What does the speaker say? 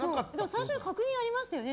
最初に確認ありましたよね。